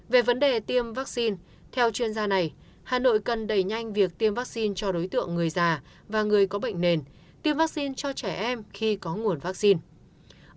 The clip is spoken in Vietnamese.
về vấn đề tiêm vaccine theo chuyên gia này hà nội cần đẩy nhanh việc tiêm vaccine cho đối tượng người già và người có bệnh nền tiêm vaccine cho trẻ em khi có nguồn vaccine